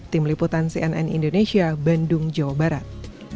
tim liputan cnn indonesia bandung jawa barat